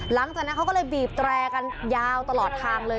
หลังจากนั้นเขาก็เลยบีบแตรกันยาวตลอดทางเลย